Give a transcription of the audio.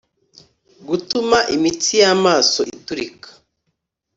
Gutuma imitsi y’amaso iturika